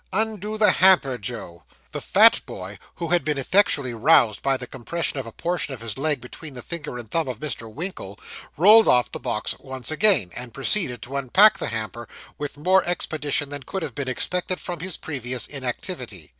Undo the hamper, Joe.' The fat boy, who had been effectually roused by the compression of a portion of his leg between the finger and thumb of Mr. Winkle, rolled off the box once again, and proceeded to unpack the hamper with more expedition than could have been expected from his previous inactivity.